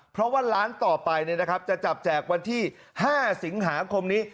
เพราะว่าร้านต่อไปจะจับแจกวันที่๕สิงหาคมนี้